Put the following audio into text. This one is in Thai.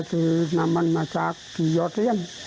เสพยาเลย